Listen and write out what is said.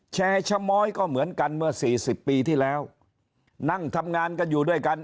แชร์ชะม้อยก็เหมือนกันเมื่อสี่สิบปีที่แล้วนั่งทำงานกันอยู่ด้วยกัน